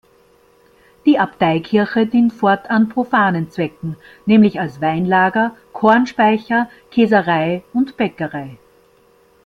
Die Abteikirche diente fortan profanen Zwecken, nämlich als Weinlager, Kornspeicher, Käserei und Bäckerei.